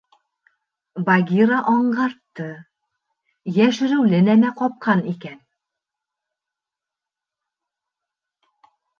Багира аңғартты: йәшереүле нәмә ҡапҡан икән.